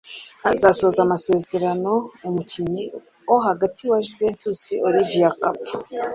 azasoza amasezerano umukinnyi wo hagati wa Juventus Olivier Kapo